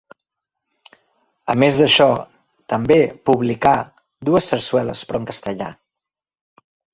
A més d'això, també publicà dues sarsueles, però en castellà.